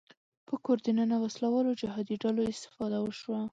په کور دننه وسله والو جهادي ډلو استفاده وشوه